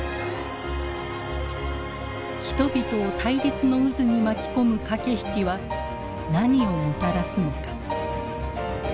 人々を対立の渦に巻き込む駆け引きは何をもたらすのか。